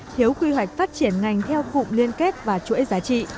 thiếu quy hoạch phát triển ngành theo cụm liên kết và chuỗi giá trị